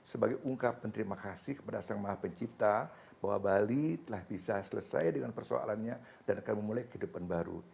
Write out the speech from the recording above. sebagai ungkapan terima kasih kepada sang maha pencipta bahwa bali telah bisa selesai dengan persoalannya dan akan memulai kehidupan baru